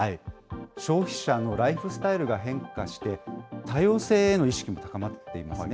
消費者のライフスタイルが変化して、多様性への意識も高まっていますね。